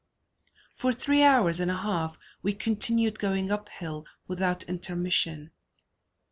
For three hours and a half we continued going up hill, without intermission.